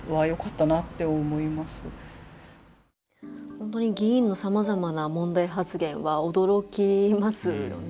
本当に議員のさまざまな問題発言は驚きますよね。